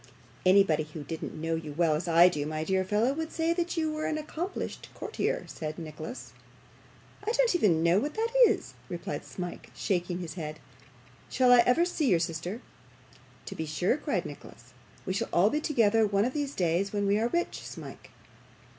'Anybody who didn't know you as well as I do, my dear fellow, would say you were an accomplished courtier,' said Nicholas. 'I don't even know what that is,' replied Smike, shaking his head. 'Shall I ever see your sister?' 'To be sure,' cried Nicholas; 'we shall all be together one of these days when we are rich, Smike.